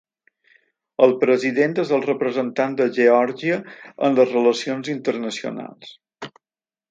El President és el representant de Geòrgia en les relacions internacionals.